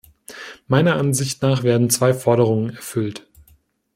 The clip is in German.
Meiner Ansicht nach werden zwei Forderungen erfüllt.